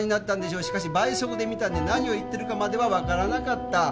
しかし倍速で見たんで何を言ってるかまでは分からなかった。